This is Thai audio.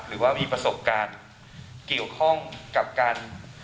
หรือว่ามีประสบการณ์เกี่ยวข้องกับการ